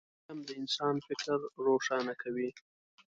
علم د انسان فکر روښانه کوي